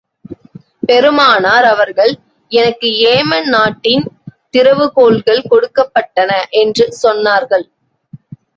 பெருமானார் அவர்கள், எனக்கு ஏமன் நாட்டின் திறவு கோல்கள் கொடுக்கப் பட்டன என்று சொன்னார்கள்.